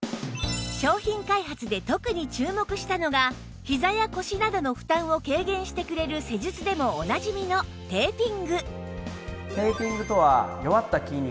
商品開発で特に注目したのがひざや腰などの負担を軽減してくれる施術でもおなじみのテーピング